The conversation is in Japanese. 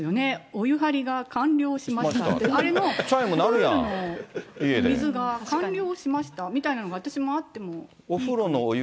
お湯張りが完了しましたって、あれも、プールの水が完了しましたみたいなのが、私もあってもいいかなと。